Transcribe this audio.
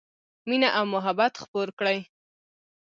مینه او محبت خپور کړئ